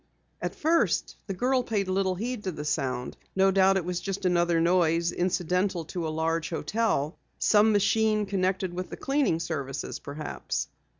At first the girl paid little heed to the sound. No doubt it was just another noise incidental to a large hotel some machine connected with the cleaning services perhaps.